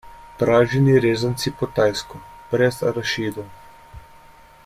Praženi rezanci po tajsko, brez arašidov.